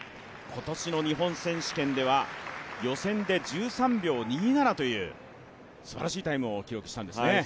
今年の日本選手権では予選で１３秒２７というすばらしいタイムを記録したんですね。